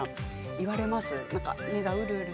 言われます？